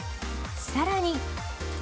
さらに。